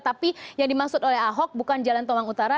tapi yang dimaksud oleh ahok bukan jalan tomang utara